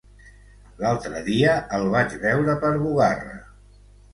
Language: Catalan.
L'altre dia el vaig veure per Bugarra.